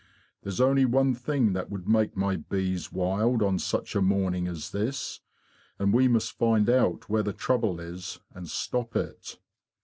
There's only one thing that would make my bees wild on such a morning as this; and we must find out where the trouble is, and stop it."